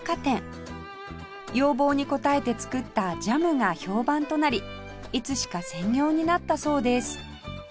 要望に応えて作ったジャムが評判となりいつしか専業になったそうです